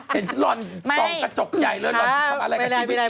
เห็นรอนสองกระจกใหญ่เลยรอนทำอะไรกับชีวิตอีก